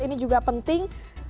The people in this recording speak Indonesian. ini juga penting